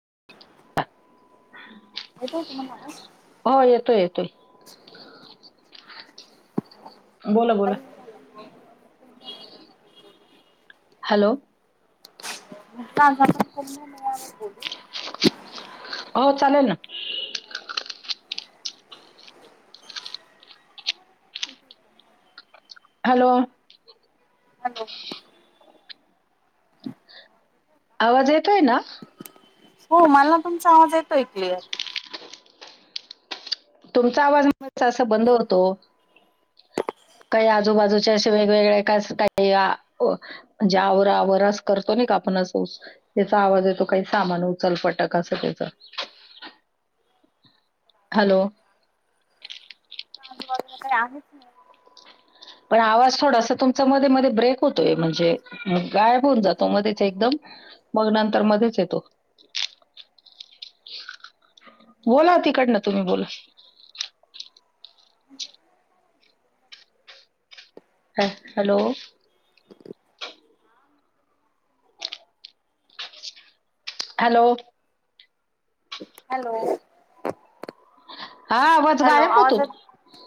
[unintelligible] येतोच म्हणा हो येतोय येतोय [unintelligible] अ बोला हॅलो [unintelligible] हो चालेल ना हॅलो हॅलो आवाज येतोय ना हो मला ना तुमचा आवाज येत [unintelligible] तुमचा आवाज मध्ये असा बंद होतो काही आजूबाजूचे अशे वेगवेगळे काय काही जे आवर आवर अस करतो ना का आपण अस ह्याचा आवाज येतो काही सामान उचल फटक असं काहीतर हॅलो [unintelligible] पण आवाज थोडासा तुमचा मध्ये मध्ये ब्रेक होतोय म्हणजे गायब होऊन जातो मध्येच एकदम मग नंतर मध्येच येतो बोला तिकडनं तुम्ही बोला ह हॅलो. हॅलो. हॅलो. हा वज हॅलो गाय प आवाज होतो. येत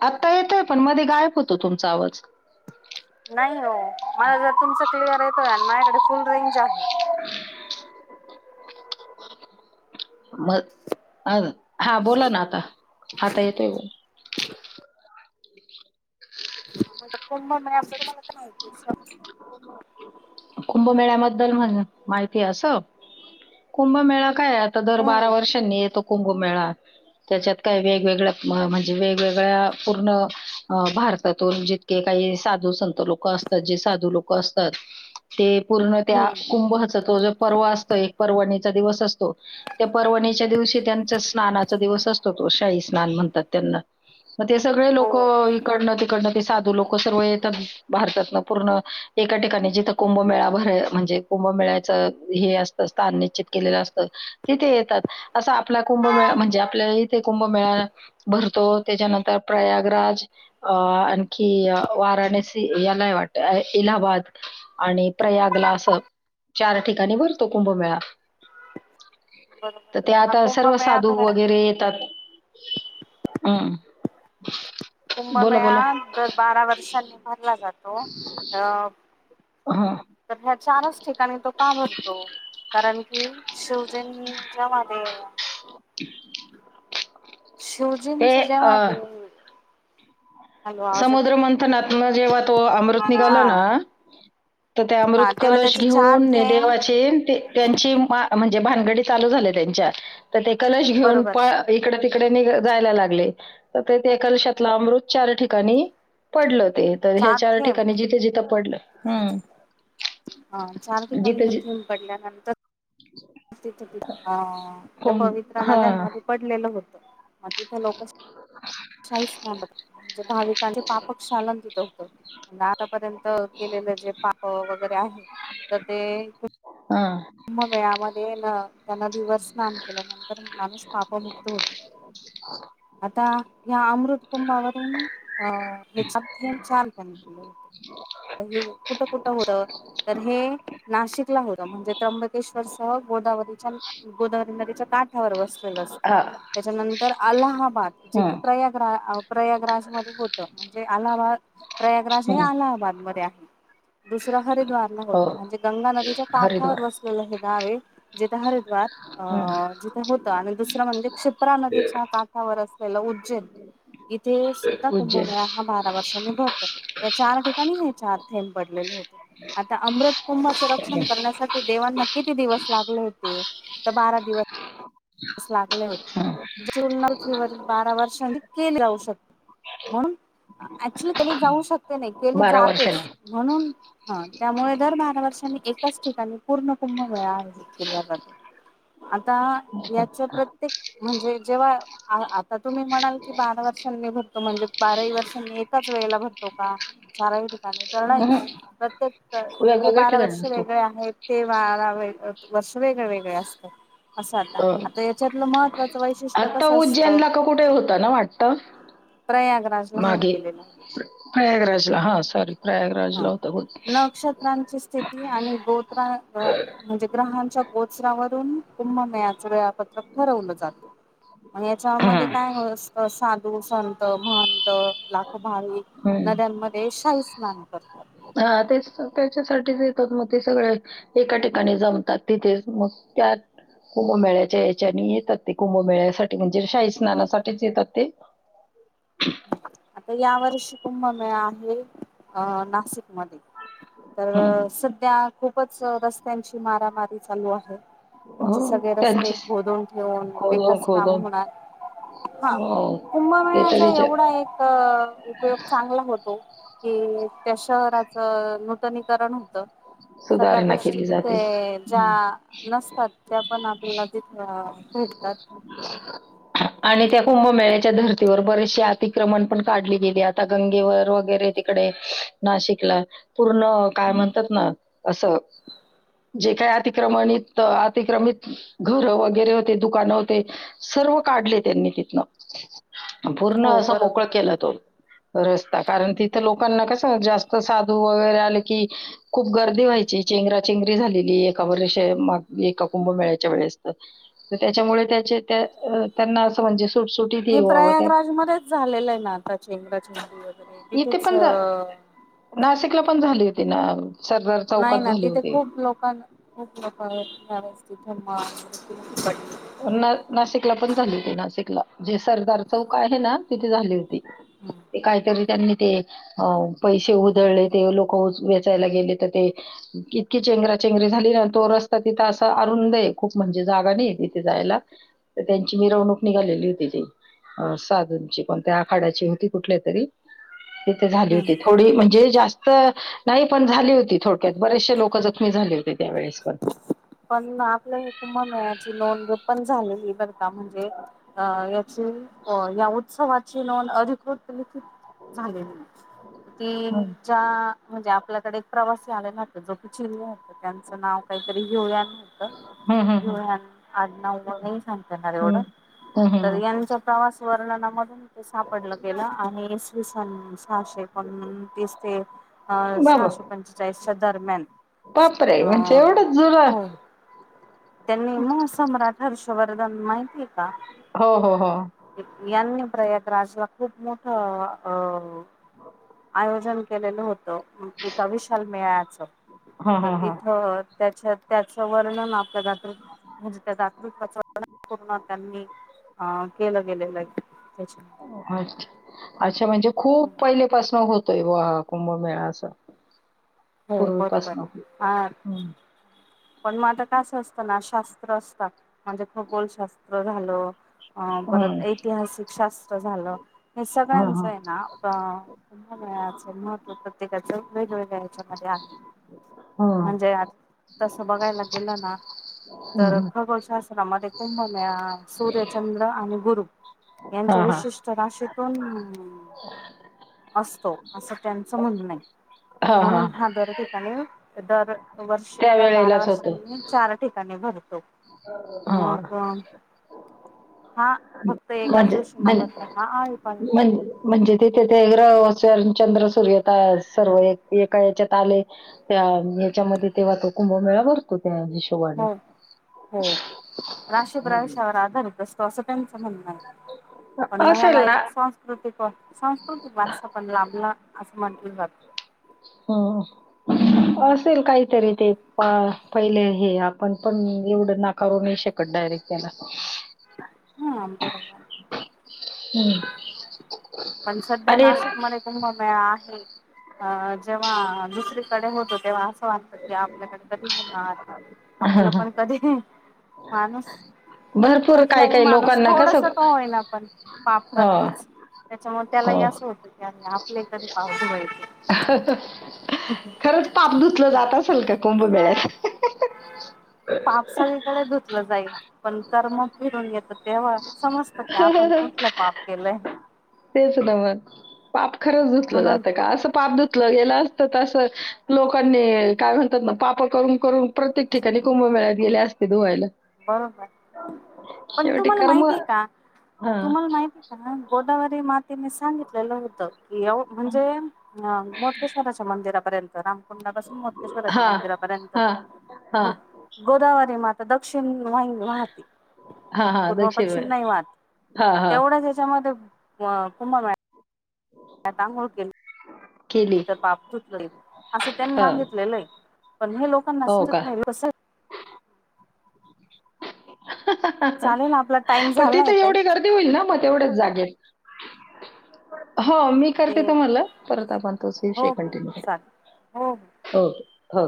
आता येतय. पण मध्ये गायब होतो तुमचा आवाज. नाही हो मला जर तुमच क्लिअर आहे. माझ्याकडे फुल रेंज आहे. मग अ हा बोला ना आता. आता येतोय ग. झ कुंभ मेळा [inaudible] कुंभमेळ्याबद्दल माहिती अस? कुंभमेळा. काय आता दर हम्म बारा वर्षांनी येतो. कुंभमेळा. त्याच्यात काही वेगवेगळ्या म्हणजे वेगवेगळ्या पूर्ण भारतातून जितके काही साधू संत लोक असतात जे साधू लोक. असतात ते पूर्ण त्या हम्म कुंभ. तो जो पर्वा असतो एक पर्वणीचा दिवस असतो त्या पर्वणीच्या दिवशी त्यांचा स्नानाचा दिवस असतो तो. शाही स्नान म्हणतात त्यांना. मग ते सगळे हो लोक इकडनं तिकडनं ते साधू लोक सर्व येतात भारतातन पूर्ण एका ठिकाणी जिथं कुंभमेळा भरय म्हणजे कुंभमेळ्याचं हे असतं स्थान निश्चित केलेलं असतं तिथे येतात. असं आपला कुंभमेळा म्हणजे आपल्या इथे कुंभमेळा भरतो त्याच्यानंतर प्रयागराज अ आणखी वाराणसी यालाय वाटत इलाहाबाद आणि प्रयागला असं चार ठिकाणी भरतो. तो कुंभमेळा, बरोबर. तर ते हा आता सर्व कुंभमेळा साधू भरण्या वगैरे येतात अं. कुंभमेळा दर बारा वर्षांनी भरला जातो. हो अ हं. तर ह्या चारच ठिकाणी तो का भरतो? कारण की शूजनच्या मध्ये ते शिवजींचं जेव्हा ते हॅलो आवाज येतोय का समुद्रमंथनातनं जेव्हा तो अमृत निघाला हा ना, तर ते हा अमृत तेव्हा कलश त्याचे चार घेऊन ना थेंब देवाचे त्यांची मा म्ह णजे भानगडी चालू झाल्या त्यांच्या. तर ते कलश घेऊन बरोबर प इकड तिक ड निघ जायला लागले, तर ते कलशातले अमृत चार ठि काणी पडलं. ते कलशा चार ठिकाणी जिथं जिथं पडलं हम्म. हा चार ठिकाणी जिथे म जि- थेंब पडल्यानंतर तिथ अं त्या कोण पवित्रा हा नद्यांमध्ये पडलेलं होतं. मग तिथं लोकं [unintelligible] म्हणजे भाविकांचे पापक शालन जिथं नादब पर्यंत केलेलं जे पाप वगैरे आहे, तर ते कूट हा म बया म ते ना त्या नदीवर स्नान केल्यानंतर, माणूस पापमुक्त होतो. आता या अमृत कुंबावरून अं हे चार थेंब छानपण केलं. हे कुठं कुठं होतं, तर हे नाशिकला होतं म्हणजे त्र्यंबकेश्वरसह गोदावरीच्या गोदावरी नदीच्या काठावर व कलाश, हा त्याच्यानंतर अलाहाबाद जे क हम्म प्रयागरा प्रयागराज मध्ये होतं, जे अलाहाबाद प्रयागराज हे हम्म. अलाहाबादमध्ये आहे. दुसरा हरिद्वारला हो होतं म्हणजे गंगा नदीच्या का वर हरिद्वार वसलेले हे गाव आहे जिित हरद्वार अ हम्म. जथ होत आणि दुसरं म्हणजे शिप्रा नदीच्या काठावर असत चलो उज्जैन ते सुद्धा उज्जैन कुंभमेळा हा बारा वर्षांनी भर या चार ठिकाणी हे चार थेंब पडलेले होते आता अमृ कुंभचें रक्षण करण्यासाठी तेव्हाना किती दिवस लागले होते तर बारा दिवस लागले हम्म. होते बारा वर्षां केले जाऊ शकते म्हणून ऍक्च्युली क जाऊ शकत नाही केले बारा जातेच वर्षांनी म्हणून हा त्यामुळे दर बारा वर्षांनी एकाच ठिकाणी पूर्ण कुंभमेळा आर्जित केला जातो आता याच प्रत्येक म्हणजे जेव्हा आता तुम्ही म्हणाल की बारा वर्षांनी भरतो म्हणजे बाराही वर्षांनीी एकाच वेळेला भरतो का चारवी हम्म. प्रत्ये वेगवेगळ्या बारा ठिकाणी वर्ष असतो वेगळे आहेत ते बार बा वर्ष वेगळे वेगळे असतात असं आता अ आता याच्यातलं महत्त्वाचं वैशिष्ट्य आता कसं असतं उज्जैनला का कुठे होत ना वाटत प्रयागराजला होऊन मागे गेलेलं. प्रयागराजला हा सॉरी प्रगराजला होता बहुतेक ची स्थिती आणि गोत्रा अ म्हणजे ग्रहांच्या गोच्रावरून कुंभमेळयाच फ- त ठरवलं जात याच्या मधे हम्म. काये ह स साग दु सहत म्हनत ला भावी नध्यान मधे शाही खू हवी नद् मॅम खर तर हा तेच त्याच्यासाठीच येतात मग ते सगळे एका ठिकाणी जमतात तिथेच मग त्यात कुंभमेळ्याच्या याच्यानी येतात ते कुंभमेळ्यासाठी म्हणज े शाही बर स्नानासाठीच येतात ते आता या वर्षी कुंभमेळा आहे अ नासिक मधे तर हम्म. सध्या खूपच रस्त्यांची मारामारी मी चालू आहे लू म्हणजे सगळे हो रस्ते त्यांची गोदून ठेवून खोदून विकस काम खोदून होणार हा हो कुंभमेळ त्याचा विचार एवढा एक क उपयोग चांगला होतो कि त्या शहराचं नूतनीकरण त सगळ्या सुधारणा गोष्टी केली तिथे जाते ज्या हम्म. नसतात त्या पण आपल्याला तिथ भेटतात, आणि त्या कुंभमेळ्याच्या धर्तीवर बरेचशे अतिक्रमण पण काढली गेली, आता गंगेवर वगैरे तिकडे नाशिकला पूर्ण काय म्हण. तथ न असं जे काय अतिक्रमणित अतिक्रमित घर वगैरे होते दुकानं होते सर्व काढले त्यांनी तिथन, पूर्ण हो असं बरोबर. मोकळं केलं तो, रस्ता कारण तिथं लोकांना कस जास्त साधू वगैरे आले की खूप गर्दी व्हायची चेंगरा चेंगरी झालेली एका वर्ष माग, एका कुंभ मेळायच्या वेळेसत तर त्याच्यामुळे त्याचे त्या त्यांना असं म्हणजे. सुटसुटीत हे येवावं त्या प्रयागराज मध्येच झालेलं ना आताच चेगरा चेगरी वैगरे इंग्रज इथे तिथेच पण अ, तिन अ नाही ना तिथे खूप लोकांन खूप लोकवरती आआहेत ववस्थित हु मा [inaudible] न नासिकला पण झाली होती, नासिकला जे सरदार चौक आहे ना तिथे झाली होती. हम्म. ते काहीतरी, त्यांनी ते अ पैसे उधळले ते लोक उ वेचायला गेले ते इतकी चेंगरा चेंगरीे झाली ना तो रस्ता तिथं असा अरुंद आहे खूप म्हणजे जागा नाही तिथ, तिथ जायला त त्यांची मिरवणूक निघालेली होती तीअ साधूंची कोनत्या आखाडा ची होती कुठल्यातरी तिथ झाली होती थोडी म्हणजे जास्त, नाही पण झाली होती थोडक्यात बरेचसशे लोक जखमी झाले होते त्यावेेळेस पण पण आपल्या इथे मम्याळ्याची नोंद पण झाली मी बदनाम म्हणजे अ याचीहो या उत्सव याची नोद अधिकृत व लिखित झाली ती हं. च्या [inaudible] आपल्याकडे एक प्रवास आलेला होत जो की चिरले होत त्यांचा नाव काहीतरी घेऊया होत हं, हं, घ हं. आ न हं, सांगता येणार एवढं हं. हं, हं, तर हं. यांच्या प्रवास, वर्ण न म ते सापडलं गेलं आणि तसां [unintelligible] सहाशे पणतीस ते अ बाबा! सहाशे पंचेचाळीसच्या दरम्यान बापरे! म्हणजे एवढंच अ जुनं. हो त्यांनी मग सम्रट, हर्ष वरधन माहिती आहेेत? का हो, हो, हो. यांनी, प्रयाग राजला खूप मोठ अ [unintelligible] यन केलेलं होत एका विशाल मेळ्याच हां, तर हां, हां. तिथं त्याच्यात त्याचं वर्णन त्या म्हणजे त्या दात पूर्ण त्यांनी अ केलं गेलेलं आहे त्याच्या अच्छा. अच्छा म्हणजे खूप पहिले पाास होतोय ब कुंभमेळा असं हो बरोबर पूर्वीपासून. ह हं, पण मग आता कस असतं नाश शास्त्र असतात म्हणजे खगोलशास्त्र ्र झालं अ परत हं. ऐतिहासिक शास्त्र झालं हे हां, सगळ्यांचं हां. आहे ना महत्व प्रत्येकाच वेगवेगळ आहे आहे हं. म्हणजे आज तसं बघायला गेलं ना हं, तर हं. खगोश ्रा कुंभण सूर्यचंद्र आणि गुरु यांचे हां, हां. विशिष्ट नाश असतो असं त्यांचं म्हणणं आहे हां, म्हणून हां. हा दर ते कावदार वर्ष दर बारा त्यावेळेलाच होतं. वर्षांनी चार ठिकाणी भर हो हा. हा. फक्त एकाच म्हणज दिवशी न म्हण भरता हा आळीपाळीने म्हण भरतो. म्हणजे. तिथे ते ग्रह चंद्र सूर्य सर्व एका याच्यात आले त्या याच्यामध्ये ते वातो कुंभमेळा भरतो. त्या हिशोबाने. हो हो राशी प्रवेशावर आधारित अस तं त्यांचं म्हणण पण मग असेल याला ना एक सांस्कृतिक सांस्कृतिक वारसा पण लाभला असं म्हटलं जात. हम्म असेल काहीतरी ते पहिले हे आपण पण एवढं नाकारू नाही शकत डायरेक्ट त्याला. हा बरोबर हम्म. पण सध्या आणि नाशिक मध्ये कुंभमेळा आहे. अ जेव्हा दुसरीकडे होतो तेव्हा वात की आपल्याकडे कधी होणार आपलं पण कधी माणूस भरपूर खूप काही लाही काही माणूस लोकांना थोडस कसं त होई ना आपण पाप ह करतोच त्याच्यामुळे त्यालाही हो. असं होतं की अ आपले कधी धुवायचं. खरंच पाप धुतलं जात असेल का कुंभमेळ्यात? पापसागळीकडे धुतलं जाईल. पण कर्म फिरून येतं तेव्हा समजत की आपण कुठलं पाप केलंय. तेच ना मग. पाप. खरच ुसलं म्हणून जातं का? अस पापधुतलं गेल असत त लोकांनी काय म्हणतात ना पाप करून करून प्रत्येक ठिकाणी कुंभमेळ्यात गेले असते धुवायला. बरोबर पण शेवटी तुम्हाला कर्म माहितीय का? हां. तुम्हाला माहिती का? केल्यावर ही मा तने सांगितलेलं होतं. व म्हणजे अ मोडकेश्वराच्या मंदिर. पर्यंत ना? ंडा पाासूनेश्राच्या हां. मंदिरापर्यंत हां. हां. गोदावरी मा सन वाईन वाहते. हां, हां. पूर्व दक्षिण पश्चिम नाही वाात. हां, हां. तेवढंच याच्यामध्ये वा कुंभमेळा. त्याता आंघोळ केली. केली. पापधुता येईल असे त्यांनी हां. सांगितलेलंय. पण हे लोकांना हो का? समजत नाही. कस चालेल आपला टाइम पण तिथं झालाय ताई. एवढी गर्दी होईल ना मग तेवढेच जागेल. हो मी करते ते तुम्हाला परत आपण तोच हो विषय हो कंटिन्यू चालेल हो हो. करू हो. हो.